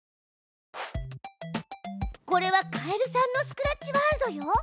これはカエルさんのスクラッチワールドよ。